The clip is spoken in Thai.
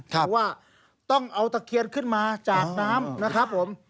เพราะว่าต้องเอาตะเคียนขึ้นมาจากน้ำนะครับผม